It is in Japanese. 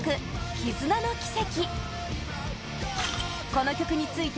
「絆ノ奇跡」